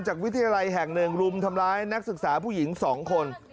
วิทยาลัยแห่งหนึ่งรุมทำร้ายนักศึกษาผู้หญิง๒คน